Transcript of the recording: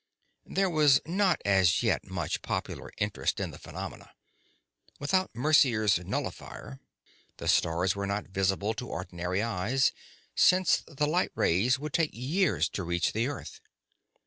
There was not as yet much popular interest in the phenomena. Without Mercia's nullifier, the stars were not visible to ordinary eyes, since the light rays would take years to reach the Earth.